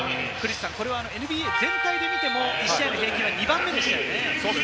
これはＮＢＡ全体で見ても、１試合の平均２番目でしたね。